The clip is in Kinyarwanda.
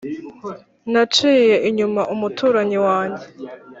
naciye inyuma umuturanyi wanjye ....